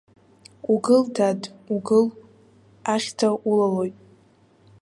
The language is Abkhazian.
Угыл, дад, угыл, ахьҭа улалоит!